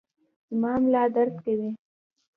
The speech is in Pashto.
زما ملا درد کوي